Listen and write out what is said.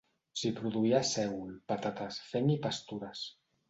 S'hi produïa sègol, patates, fenc i pastures.